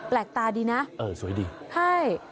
ตาดีนะเออสวยดีใช่